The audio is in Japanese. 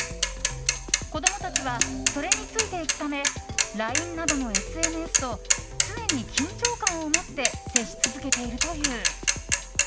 子供たちはそれについていくためＬＩＮＥなどのＳＮＳと常に緊張感を持って接し続けているという。